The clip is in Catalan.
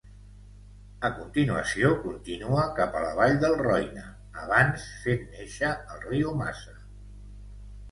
A continuació, continua cap a la vall del Roine abans fent néixer el riu Massa.